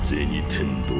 天堂。